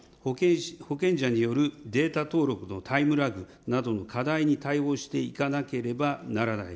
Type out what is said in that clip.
保険者によるデータ登録のタイムラグなどの課題に対応していかなければならない。